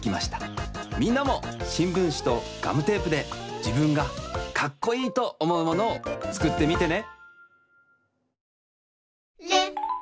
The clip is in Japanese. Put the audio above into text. みんなもしんぶんしとガムテープでじぶんがかっこいいとおもうものをつくってみてね。